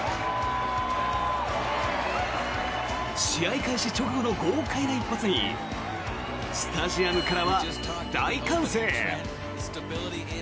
試合開始直後の豪快な一発にスタジアムからは大歓声。